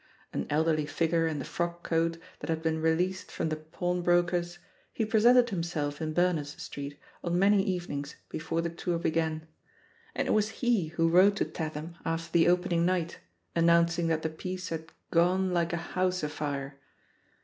An elderly figure in the frock coat that had been released from the pawn broker's, he presented himself in Bemers Street on many evenings before the tour began ; and it was he who wrote to Tatham after the opening night, announcing that the piece had "'gone like a house afire."